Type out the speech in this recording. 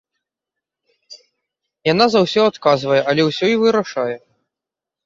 Яна за ўсё адказвае, але ўсё і вырашае.